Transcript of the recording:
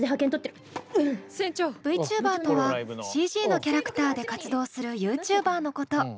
ＶチューバーとはＣＧのキャラクターで活動するユーチューバーのこと。